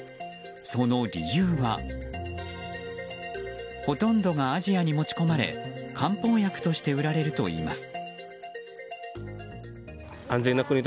その理由はほとんどがアジアに持ち込まれ漢方薬として売られるといいます。